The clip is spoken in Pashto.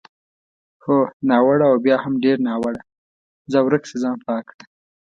هو، ناوړه او بیا هم ډېر ناوړه، ځه ورشه ځان پاک کړه.